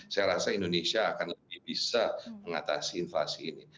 saya rasa indonesia akan lebih bisa mengatasi inflasi ini